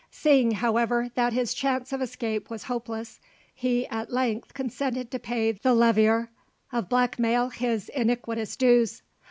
Seeing, however, that his chance of escape was hopeless, he at length consented to pay the levier of black mail his iniquitous dues.